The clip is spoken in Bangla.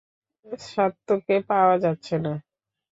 সাত্তুকে পাওয়া যাচ্ছে না।